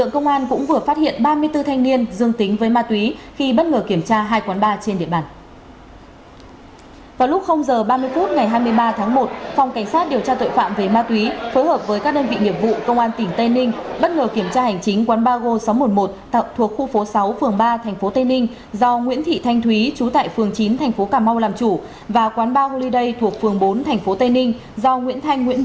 các bạn hãy đăng ký kênh để ủng hộ kênh của chúng mình nhé